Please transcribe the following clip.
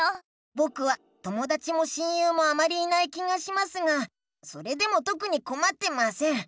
ぼくはともだちも親友もあまりいない気がしますがそれでもとくにこまってません。